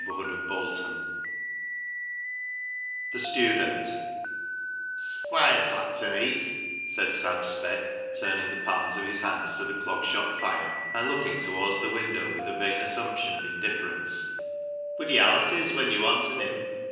3S7 The Student 11 The Student " Squire's lat ta neet," said Sam Speck, turning the palms of his hands to the Clog Shop fire and looking towards the window with a vain assump tion of indifference ;" bud he allis is when yo' wanten him."